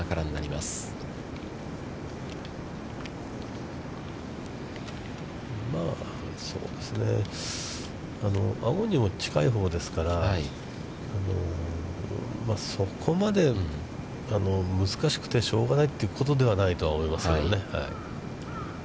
まあ、そうですね、アゴにも近いほうですから、そこまで難しくてしょうがないということではないと思いますよね。